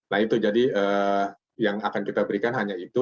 nah itu jadi yang akan kita berikan hanya itu